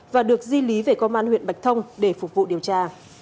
và được di lý về công an huyện bạch thông để phục vụ điều tra